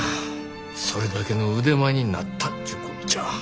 それだけの腕前になったちゅうこっちゃ。